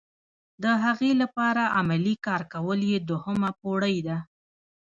د هغې لپاره عملي کار کول یې دوهمه پوړۍ ده.